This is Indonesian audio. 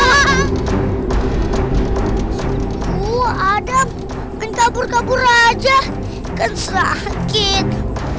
aduh adam kan kabur kabur aja kan sakit